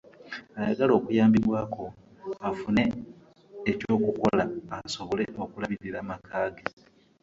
Ayagala ayambibweko afune eky'okukola asobole okulabirira amaka ge.